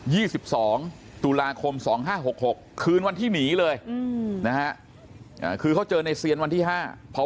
จุลาคม๒๕๖๖คืนวันที่หนีเลยที่ก็เจอในเสียรวันที่๕เพราะ